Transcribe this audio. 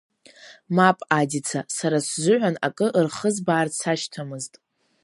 Мап, Адица, сара сзыҳәан акы рхызбаарц сашьҭамызт.